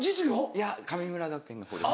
いや神村学園の方です。